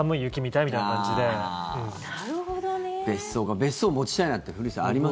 別荘持ちたいなんて古市さんありますか？